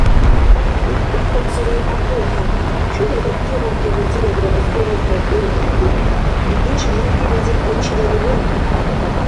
Уркӏухъунсири Гӏябдулхӏямид, чула лертигъунти мицӏирагра азбарларад дураили, дудеш махьилизи гечирули варгибхӏели.